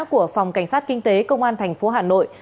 của phòng cảnh sát kinh tế công an thành phố hà nội